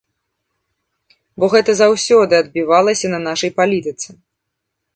Бо гэта заўсёды адбівалася на нашай палітыцы.